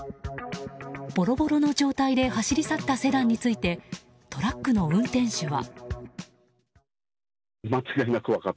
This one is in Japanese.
ボロボロの状態で走り去ったセダンについてトラックの運転手は。